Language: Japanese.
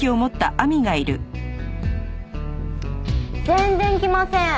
全然来ません。